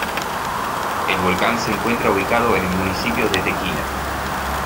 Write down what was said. El volcán se encuentra ubicado en el municipio de Tequila.